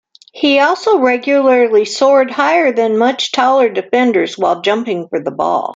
He also regularly soared higher than much taller defenders while jumping for the ball.